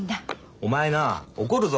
お前な怒るぞ。